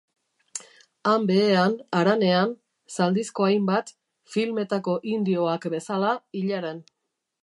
Han behean, haranean, zaldizko hainbat, filmetako indioak bezala, ilaran.